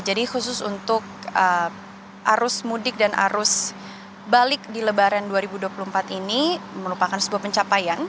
jadi khusus untuk arus mudik dan arus balik di lebaran dua ribu dua puluh empat ini merupakan sebuah pencapaian